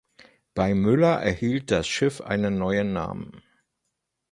Bei Müller erhielt das Schiff einen neuen Namen.